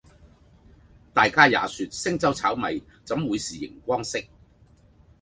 大家也說星洲炒米怎會是螢光色